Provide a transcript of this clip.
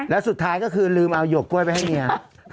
แล้วสุดท้ายก็คือลืมเอาหวกกล้วยไปให้เมีย